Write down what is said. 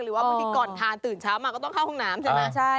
บางทีก่อนทานตื่นเช้ามาก็ต้องเข้าห้องน้ำใช่ไหม